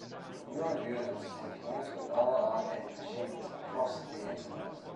Newer units can connect with other arcade machines across the Internet.